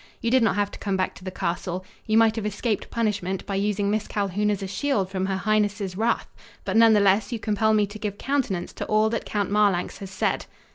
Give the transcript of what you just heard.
You did not have to come back to the castle. You might have escaped punishment by using Miss Calhoun as a shield from her highness's wrath. But none the less you compel me to give countenance to all that Count Marlanx has said."